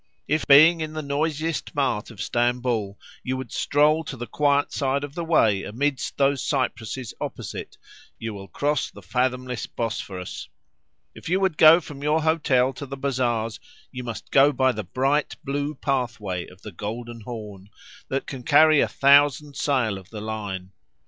If being in the noisiest mart of Stamboul you would stroll to the quiet side of the way amidst those cypresses opposite, you will cross the fathomless Bosphorus; if you would go from your hotel to the bazaars, you must go by the bright, blue pathway of the Golden Horn, that can carry a thousand sail of the line.